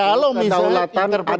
kalau misalnya di interpretasi